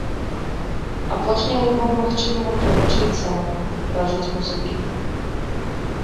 Апошні альбом, магчыма, прагучыць цалкам, кажуць музыкі.